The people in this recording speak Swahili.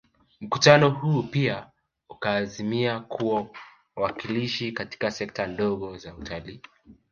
Mkutano huu pia ukaazimia kuwa wawakilishi katika sekta ndogo za utalii